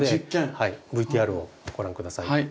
ＶＴＲをご覧下さい。